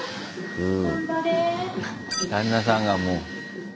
うん。